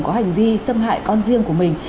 có hành vi xâm hại con riêng của mình